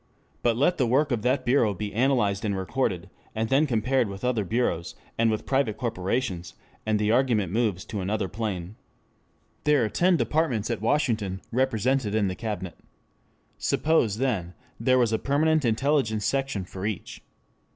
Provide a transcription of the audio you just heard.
But let the work of that bureau be analysed and recorded, and then compared with other bureaus and with private corporations, and the argument moves to another plane. There are ten departments at Washington represented in the Cabinet. Suppose, then, there was a permanent intelligence section for each.